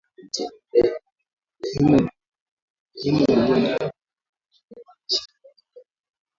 lehemu iliyo ndani ya viazi lisheni nzuri kwa afya